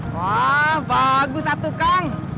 wah bagus atuh kang